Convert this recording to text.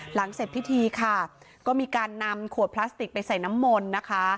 หลังเสร็จพิธีค่ะก็มีการนำขวดพลาสติกไปใส่น้ำมนต์นะคะ